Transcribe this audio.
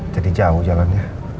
jadi jauh jalannya